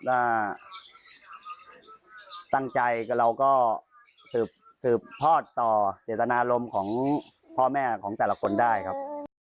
ว่าตั้งใจเราก็สืบทอดต่อเจตนารมณ์ของพ่อแม่ของแต่ละคนได้ครับ